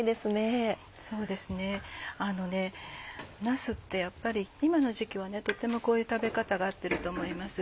なすってやっぱり今の時期はとてもこういう食べ方が合ってると思います。